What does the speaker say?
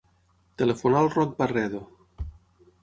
Telefona al Roc Barredo.